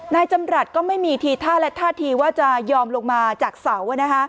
นายจำรัฐก็ไม่มีทีท่าและท่าทีว่าจะยอมลงมาจากเสา